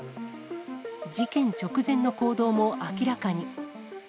事件直前の行動も明らかに。